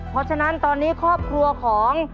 เพราะฉะนั้นตอนนี้ครอบครัวของ